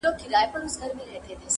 چي په کلي په مالت کي وو ښاغلی؛